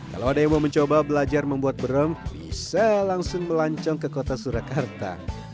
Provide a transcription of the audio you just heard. kalau ada yang mau mencoba belajar membuat brem bisa langsung melancong ke kota surakarta